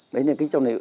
đấy nên cái trong này